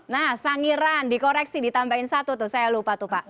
nah sangiran dikoreksi ditambahin satu tuh saya lupa tuh pak